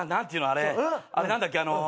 あれあれ何だっけ。